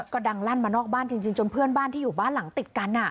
ก็ดังลั่นมานอกบ้านจริงจนเพื่อนบ้านที่อยู่บ้านหลังติดกัน